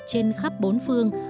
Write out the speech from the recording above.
trên khắp bốn phương